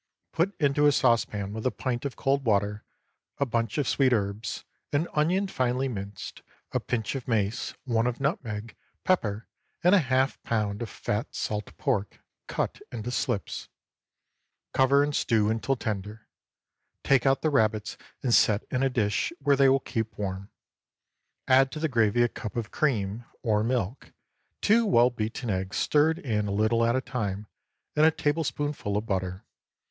Put into a saucepan with a pint of cold water, a bunch of sweet herbs, an onion finely minced, a pinch of mace, one of nutmeg, pepper, and half a pound of fat salt pork, cut into slips. Cover, and stew until tender. Take out the rabbits and set in a dish where they will keep warm. Add to the gravy a cup of cream (or milk), two well beaten eggs stirred in a little at a time, and a tablespoonful of butter.